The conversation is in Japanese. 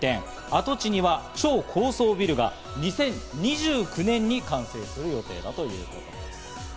跡地には超高層ビルが２０２９年に完成する予定だということです。